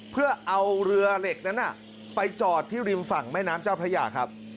เพื่อเอาเรือเหล็กนั้นไปจอดที่ริมฝั่งแม่น้ำเจ้าพระยาครับ